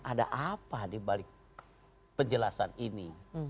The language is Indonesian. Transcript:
ada apa dibalik penjelasan ini